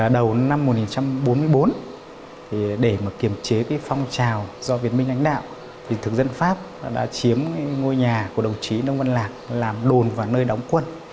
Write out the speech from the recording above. đầu năm một nghìn chín trăm bốn mươi bốn để kiềm chế phong trào do việt minh ánh đạo thực dân pháp đã chiếm ngôi nhà của đồng chí đông văn lạc làm đồn và nơi đóng quân